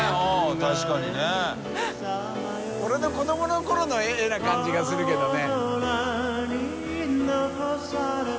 確かにね。俺の子どもの頃の絵な感じがするけどね。